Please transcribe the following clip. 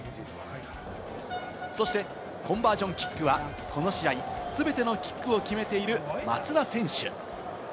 そしてコンバージョンキックは、この試合、全てのキックを決めている松田選手。